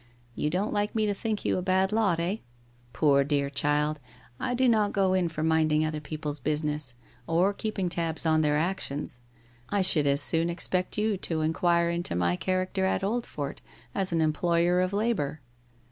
You don't like me to think you a bad lot, eh? My dear child, I do not go in for minding other people's business, or keeping tabs on their actions. I should as soon expect you to enquire into my character at Oldfort as an employer of labour